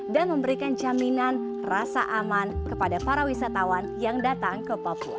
memberikan jaminan rasa aman kepada para wisatawan yang datang ke papua